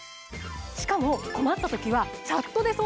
しかも困った時は。